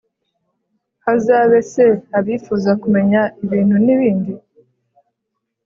Hazabe se abifuza kumenya ibintu n’ibindi?